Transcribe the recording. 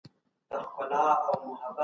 هر څه په معیار برابر دي.